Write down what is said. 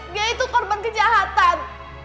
dia itu korban kejahatan